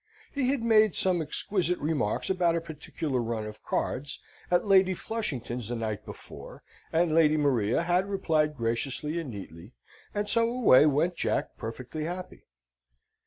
He had made some exquisite remarks about a particular run of cards at Lady Flushington's the night before, and Lady Maria had replied graciously and neatly, and so away went Jack perfectly happy.